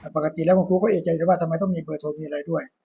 ปกติแล้วคุณครูก็เอกใจว่าทำไมต้องมีเบอร์โทรมีอะไรด้วย